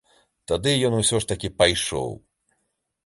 Тады ён усё ж такі пайшоў.